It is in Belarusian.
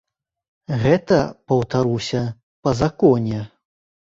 Гэта, паўтаруся, па законе.